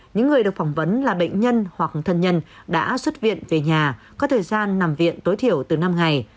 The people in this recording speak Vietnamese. những người được phỏng vấn là bệnh nhân hoặc thân nhân đã xuất viện về nhà có thời gian nằm viện tối thiểu từ năm ngày